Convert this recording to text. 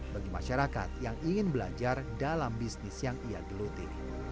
bagi masyarakat yang ingin belajar dalam bisnis yang ia geluti